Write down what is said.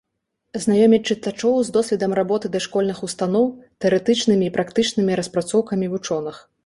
Знаёміць чытачоў з досведам работы дашкольных устаноў, тэарэтычнымі і практычнымі распрацоўкамі вучоных.